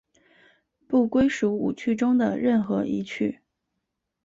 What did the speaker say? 不归属五趣中的任何一趣。